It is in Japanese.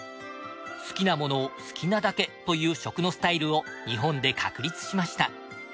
好きなものを好きなだけという食のスタイルを日本で確立しました。